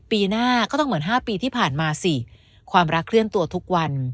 ปีหน้าก็ต้องเหมือน๕ปีที่ผ่านมาสิความรักเคลื่อนตัวทุกวัน